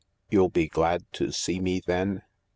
You'll be glad to see me then ?